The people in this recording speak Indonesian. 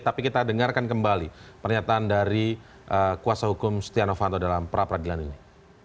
tapi kita dengarkan kembali pernyataan dari kuasa hukum stiano vanto dalam perapradilan ini